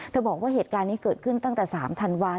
บอกว่าเหตุการณ์นี้เกิดขึ้นตั้งแต่๓ธันวาค